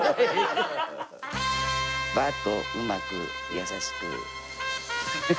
バーッとうまく優しく。